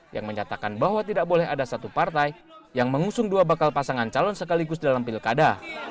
yang menyatakan bahwa tidak boleh ada satu partai yang mengusung dua bakal pasangan calon sekaligus dalam pilkada